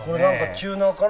チューナーかな？